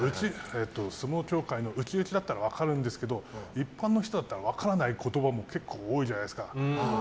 相撲協会の内々だったら分かるんですけど一般の人だったら分からない言葉も結構多いじゃないですか。